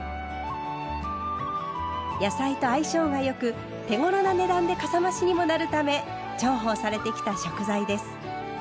野菜と相性が良く手ごろな値段でかさ増しにもなるため重宝されてきた食材です。